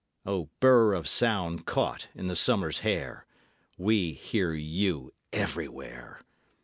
O bur of sound caught in the Summer's hair, We hear you everywhere!